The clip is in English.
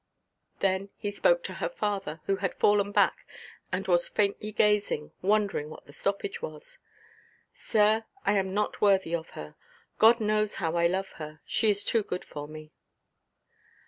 Then he spoke to her father, who had fallen back, and was faintly gazing, wondering what the stoppage was. "Sir, I am not worthy of her. God knows how I love her. She is too good for me."